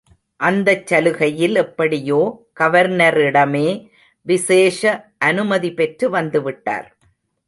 அந்தச் சலுகையில் எப்படியோ கவர்னரிடமே விசேஷ அனுமதி பெற்று வந்து விட்டார்.